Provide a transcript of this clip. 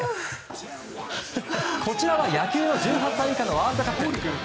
こちらは野球の１８歳以下のワールドカップ。